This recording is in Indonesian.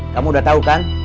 kamu udah tahu kan